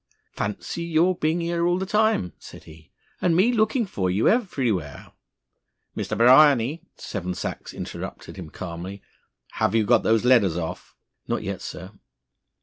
"Fancy your being here all the time!" said he, "and me looked for you everywhere " "Mr. Bryany," Seven Sachs interrupted him calmly, "have you got those letters off?" "Not yet, sir."